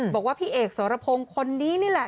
บอกว่าพี่เอกสรพงศ์คนนี้นี่แหละ